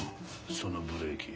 そのブレーキ。